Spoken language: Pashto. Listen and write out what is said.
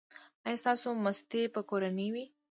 ایا ستاسو ماستې به کورنۍ وي؟